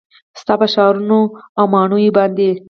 ستا په ښارونو او ماڼیو باندې